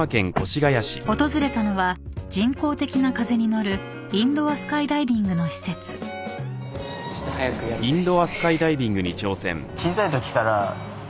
［訪れたのは人工的な風に乗るインドア・スカイダイビングの施設］早くやりたいですね。